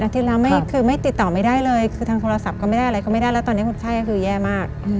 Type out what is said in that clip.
ที่แล้วคือไม่ติดต่อไม่ได้เลยคือทางโทรศัพท์ก็ไม่ได้อะไรก็ไม่ได้แล้วตอนนี้คนไข้ก็คือแย่มาก